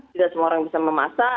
tidak semua orang bisa memasak